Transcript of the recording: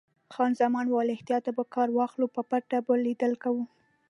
خان زمان وویل: له احتیاطه باید کار واخلو، په پټه به لیدل کوو.